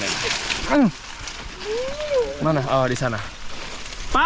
di dunia orang agama